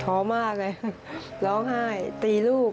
มากเลยร้องไห้ตีลูก